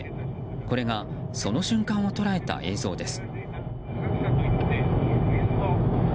これがその瞬間を捉えた映像です。